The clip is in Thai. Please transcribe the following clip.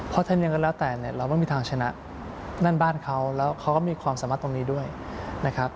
เขาทำยังไงก็แล้วแต่เนี่ยเราไม่มีทางชนะนั่นบ้านเขาแล้วเขาก็มีความสามารถตรงนี้ด้วยนะครับ